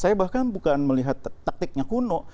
saya bahkan bukan melihat taktiknya kuno